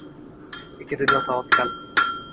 Ikki dunyo saodati kaliti